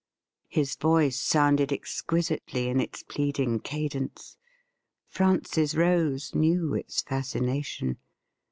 His voice sounded exquisitely in its pleading cadence. Francis Rose knew its fascination.